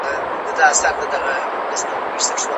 يتيمان نور نه غواړو.